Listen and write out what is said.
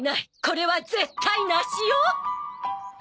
これは絶対梨よ！